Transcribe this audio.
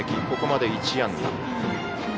ここまで１安打。